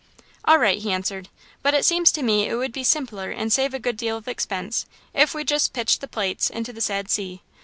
"All right," he answered, "but it seems to me it would be simpler and save a good deal of expense, if we just pitched the plates into the sad sea.